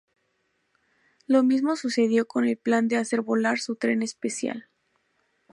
Lo mismo sucedió con el plan de hacer volar su tren especial.